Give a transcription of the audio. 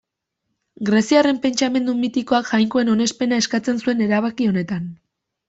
Greziarren pentsamendu mitikoak jainkoen onespena eskatzen zuen erabaki honetan.